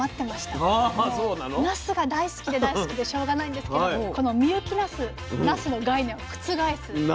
もうなすが大好きで大好きでしょうがないんですけどこの深雪なすなすの概念を覆す